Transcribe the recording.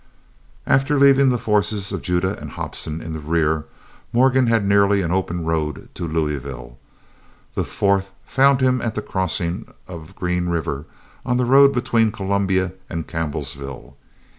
After leaving the forces of Judah and Hobson in the rear, Morgan had nearly an open road to Louisville. The 4th found him at the crossing of Green River on the road between Columbia and Campbellsville.